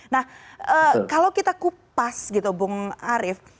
nah kalau kita kupas gitu bung arief